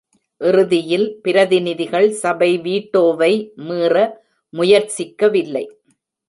இறுதியில், பிரதிநிதிகள் சபை வீட்டோவை மீற முயற்சிக்கவில்லை.